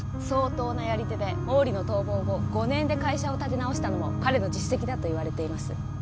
相当なやり手で毛利の逃亡後５年で会社を立て直したのも彼の実績だといわれています